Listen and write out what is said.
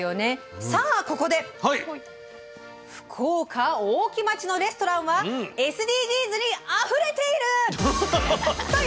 ここで「福岡大木町のレストランはＳＤＧｓにあふれてる！？」